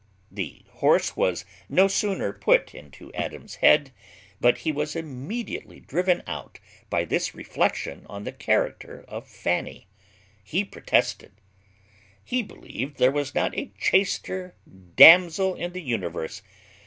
The horse was no sooner put into Adams's head but he was immediately driven out by this reflection on the character of Fanny. He protested, "He believed there was not a chaster damsel in the universe.